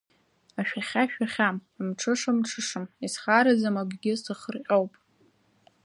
Ашәахьа шәахьам, амҽыша мҽышам, исхараӡам акгьы сахырҟьоуп.